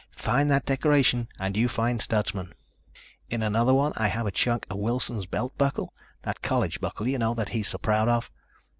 Find that decoration and you find Stutsman. In another one I have a chunk of Wilson's belt buckle, that college buckle, you know, that he's so proud of.